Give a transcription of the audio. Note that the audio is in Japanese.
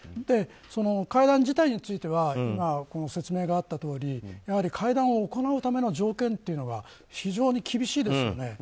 会談自体については説明があったとおりやはり会談を行うための条件っていうのは非常に厳しいですよね。